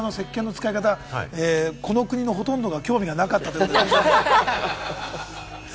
先ほどの私の石鹸の使い方、この国のほとんどの方が興味なかったということです。